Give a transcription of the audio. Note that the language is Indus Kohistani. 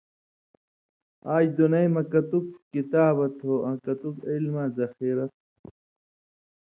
آج دُنئ مہ کتُک کتابہ تھو آں کتک علماں ذخیرہ تُھو